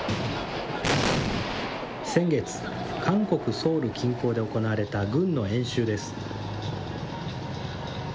先月、韓国・ソウル近郊で行われた軍の演習です。